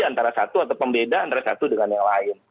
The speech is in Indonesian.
antara satu atau pembeda antara satu dengan yang lain